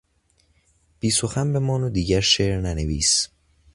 بیسخن بمان و دیگر شعر ننویس.